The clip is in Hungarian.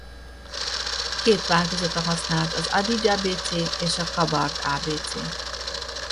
Két változata használt az adige ábécé és a kabard ábécé.